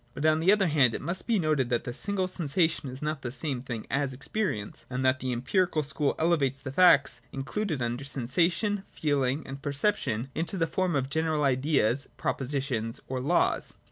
But, on the other hand, it must be noted that the single sensation is not the same thing as experience, and that the Empirical School elevates the facts included under sensation, feeling, and perception into the form of general ideas, propositions or laws.